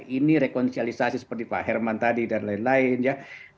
ini rekonsialisasi seperti pak herman tadi dan lain lain ya